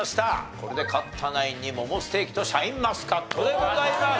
これで勝ったナインにモモステーキとシャインマスカットでございます。